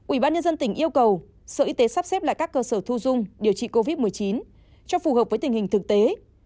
ubnd tỉnh yêu cầu sở y tế sắp xếp lại các cơ sở thu dung điều trị covid một mươi chín cho phù hợp với tình hình thực tế